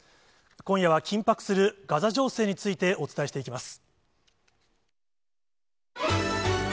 今夜は、緊迫するガザ情勢についてお伝えしていきます。